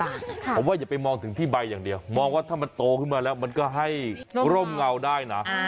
ผมว่าอย่าไปมองถึงที่ใบอย่างเดียวมองว่าถ้ามันโตขึ้นมาแล้วมันก็ให้ร่มเงาได้นะ